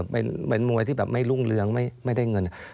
เป็นมวยที่แบบไม่รุ่งเรืองไม่ได้เงิน